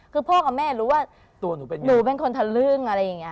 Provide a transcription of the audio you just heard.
คือพ่อกับแม่รู้ว่าหนูเป็นคนทะลึ่งอะไรอย่างนี้